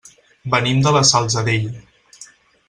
Venim de la Salzadella.